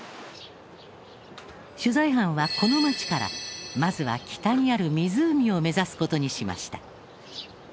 取材班はこの町からまずは北にある湖を目指す事にしました。